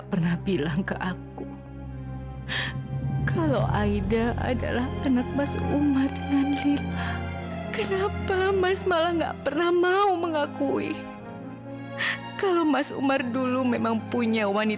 cari bukti yang bisa mebebaskan aida dari semua ini